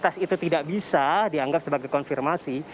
tes itu tidak bisa dianggap sebagai konfirmasi